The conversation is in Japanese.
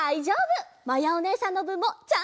まやおねえさんのぶんもちゃんとあるよ！